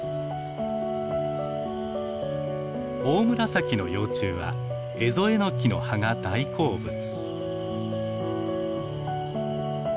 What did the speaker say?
オオムラサキの幼虫はエゾエノキの葉が大好物。